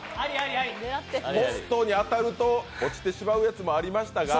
ポストに当たると落ちてしまうやつもありましたが